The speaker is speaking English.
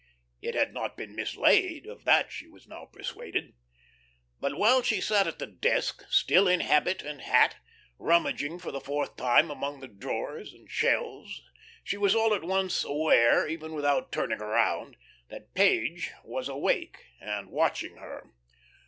It had not been mislaid; of that she was now persuaded. But while she sat at the desk, still in habit and hat, rummaging for the fourth time among the drawers and shelves, she was all at once aware, even without turning around, that Page was awake and watching her.